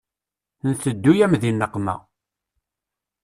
Nteddu-yam di nneqma.